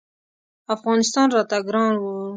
افغانستان راته ګران و.